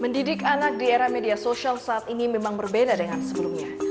mendidik anak di era media sosial saat ini memang berbeda dengan sebelumnya